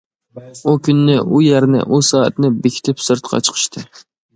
ئۇ كۈننى، ئۇ يەرنى، ئۇ سائەتنى بېكىتىپ سىرتقا چىقىشتى.